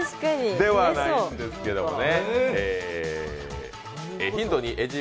ではないんですけどね。